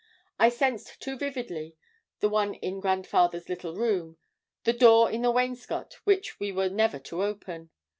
It suggested too vividly the one in Grandfather's little room the door in the wainscot which we were never to open.